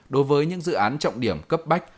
đối với những dự án trọng điểm cấp bách